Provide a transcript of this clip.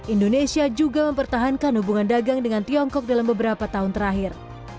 indonesia juga mempertahankan hubungan dagang dengan tiongkok dalam beberapa tahun terakhir